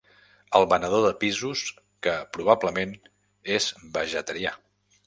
El venedor de pisos que probablement és vegetarià.